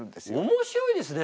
面白いですね。